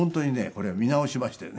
これは見直しましたよね。